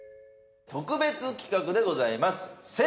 特別企画でございます。